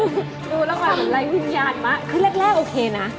อย่าลืมแต่ดูแล้วก่อนแร่วิญญาณมากคือแรกโอเคนะ